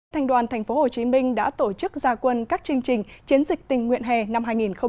thành đoàn tp hcm đã tổ chức ra quân các chương trình chiến dịch tình nguyện hè năm hai nghìn hai mươi